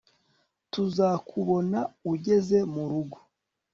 Tuzakubona ugeze murugo